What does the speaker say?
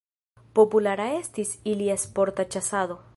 Populara estis ilia sporta ĉasado.